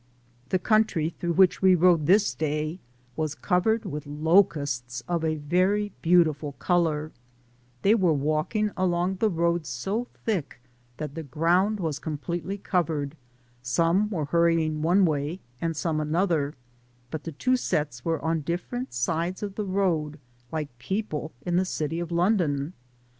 The country through which we rode this day was covered with locusts of a very beautiful co lour : they were walking along the road so thick that the ground was completely covered — some were hurrying one way and some another, but the two sets were on different sides of the road like people in the City (of London).